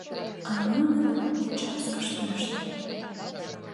— А нунын участкышкышт.